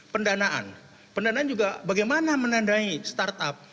pendanaan pendanaan juga bagaimana menandai startup